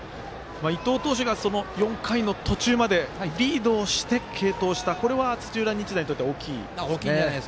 伊藤投手が４回の途中までリードをして、継投をしたこれは土浦日大にとっては大きいですね。